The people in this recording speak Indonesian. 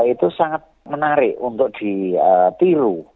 itu sangat menarik untuk ditilu